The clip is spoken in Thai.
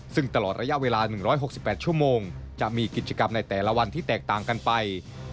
ซึ่งตลอดระยะเวลา๑๖๘ชั่วโมงจะมีกิจกรรมในแต่ละวันที่แตกต่างกันไป